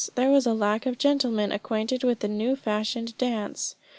there was a lack of gentlemen acquainted with the new fashioned dance.